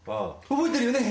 覚えてるよね？